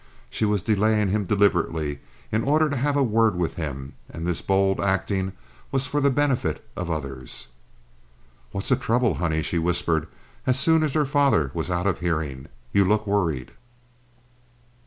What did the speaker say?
She was delaying him deliberately in order to have a word with him and this bold acting was for the benefit of the others. "What's the trouble, honey?" she whispered, as soon as her father was out of hearing. "You look worried."